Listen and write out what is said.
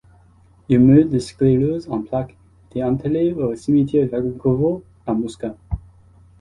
Il meurt de sclérose en plaques et est enterré au cimetière Vagankovo à Moscou.